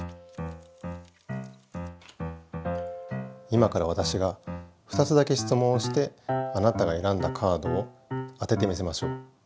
今からわたしが２つだけ質問をしてあなたがえらんだカードを当ててみせましょう。